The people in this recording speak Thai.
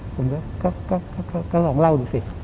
ผมก็ลองเล่าดูสิ